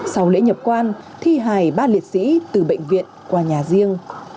sau lễ nhập quan thi hài ba liệt sĩ từ bệnh viện qua nhà riêng